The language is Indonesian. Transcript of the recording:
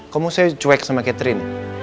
kamu saya cuek sama catherine